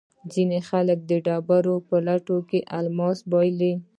ځینې خلک د ډبرو په لټون کې الماس بایلي.